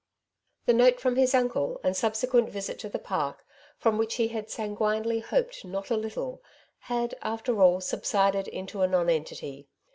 The note from his uncle, and subsequent visit to the Park, from which he had sanguinely hoped not a little, had after all subsided into a nonentity.